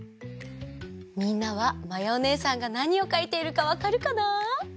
みんなはまやおねえさんがなにをかいているかわかるかな？